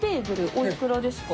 おいくらですか？